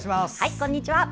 こんにちは。